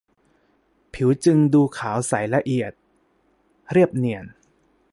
ผิวจึงดูขาวใสละเอียด เรียบเนียน